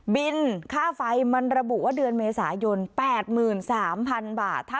บินค่าไฟมันระบุว่าเดือนเมษายนแปดหมื่นสามพันบาท